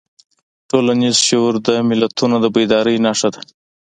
ټولنیز شعور د ملتونو د بیدارۍ نښه ده.